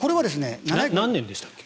何年でしたっけ？